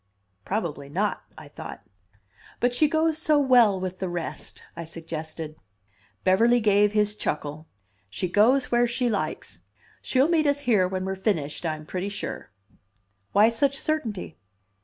Probably not, I thought. "But she goes so well with the rest," I suggested. Beverly gave his chuckle. "She goes where she likes. She'll meet us here when we're finished, I'm pretty sure." "Why such certainty?"